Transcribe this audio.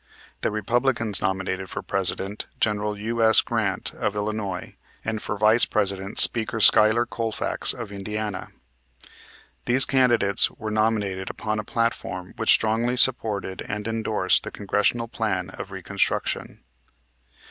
The Republicans nominated for President General U.S. Grant, of Illinois, and for Vice President Speaker Schuyler Colfax, of Indiana. These candidates were nominated upon a platform which strongly supported and indorsed the Congressional Plan of Reconstruction.